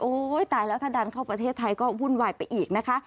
ตายแล้วถ้าดันเข้าประเทศไทยก็วุ่นวายไปอีกนะคะ